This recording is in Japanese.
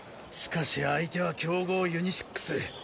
しかし相手は強豪ユニシックス。